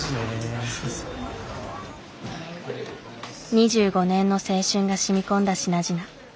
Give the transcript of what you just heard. ２５年の青春がしみこんだ品々。